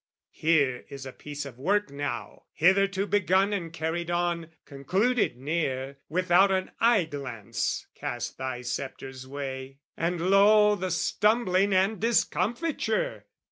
Here is a piece of work now, hitherto Begun and carried on, concluded near, Without an eye glance cast thy sceptre's way; And, lo the stumbling and discomfiture!